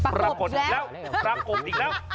ปรากฏแล้ว